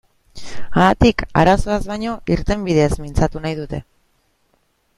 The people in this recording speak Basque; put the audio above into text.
Haatik, arazoaz baino, irtenbideez mintzatu nahi dute.